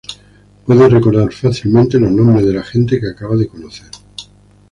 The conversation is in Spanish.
Puede recordar fácilmente los nombres de la gente que acaba de conocer.